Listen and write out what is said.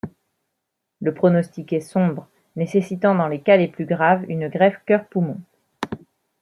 Le pronostic est sombre, nécessitant dans les cas les plus graves une greffe cœur-poumons.